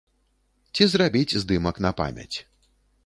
Ці зрабіць здымак на памяць.